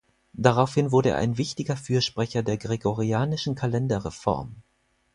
Daraufhin wurde er ein wichtiger Fürsprecher der gregorianischen Kalenderreform.